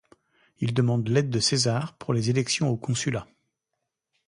Il demande l'aide de César pour les élections au consulat.